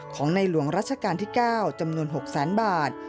ของในหลวงรัชกาลที่๙จำนวน๖แสนบาท